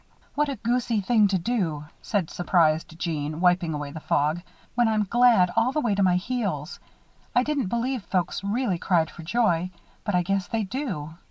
"What a goose y thing to do," said surprised Jeanne, wiping away the fog; "when I'm glad all the way to my heels. I didn't believe folks really cried for joy; but I guess they do.